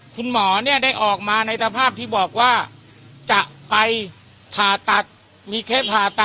คุณหมอเนี่ยได้ออกมาในสภาพที่บอกว่าจะไปผ่าตัดมีเคสผ่าตัด